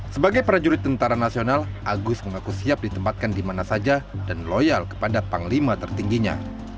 sebagai prajurit tentara nasional agus mengaku siap ditempatkan di mana saja dan loyal kepada panglima tertingginya